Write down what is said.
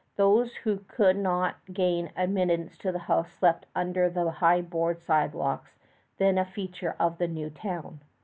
Those who could not gain admittance to this house slept under the high board sidewalks, then a feature of the new town.